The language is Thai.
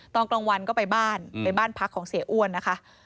ตอนกลางวันก็ไปบ้านไปบ้านพักของเสียอ้วนนะคะ